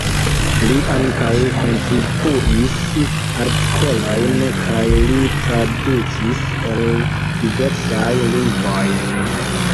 Li ankaŭ kontribuis artikolojn kaj li tradukis el diversaj lingvoj.